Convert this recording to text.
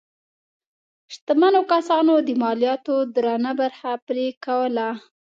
شتمنو کسانو د مالیاتو درنه برخه پرې کوله.